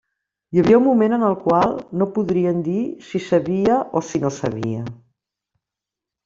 Hi havia un moment en el qual no podrien dir si sabia o si no sabia.